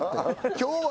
今日は。